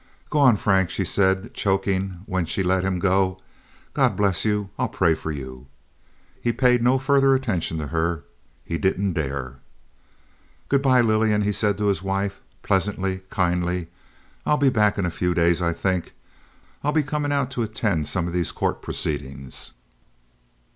"Go on, Frank," she said, choking, when she let him go. "God bless you. I'll pray for you." He paid no further attention to her. He didn't dare. "Good by, Lillian," he said to his wife, pleasantly, kindly. "I'll be back in a few days, I think. I'll be coming out to attend some of these court proceedings."